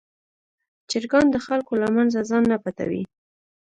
چرګان د خلکو له منځه ځان نه پټوي.